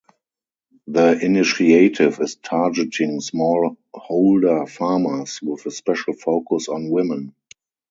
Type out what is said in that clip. The initiative is targeting small holder farmers, with a special focus on women.